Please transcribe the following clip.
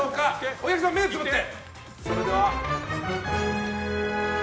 お客さんは目をつぶって。